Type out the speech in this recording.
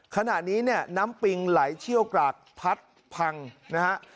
ขณะนี้น้ำปิ่งไหลเชี่ยวกรากพัดพังนะครับ